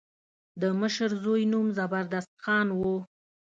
د مشر زوی نوم زبردست خان و.